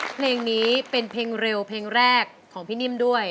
เพลงนี้เป็นเพลงเร็วเพลงแรกของพี่นิ่มด้วย